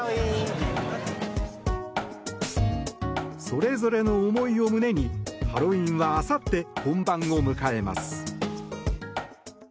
それぞれの思いを胸にハロウィーンはあさって本番を迎えます。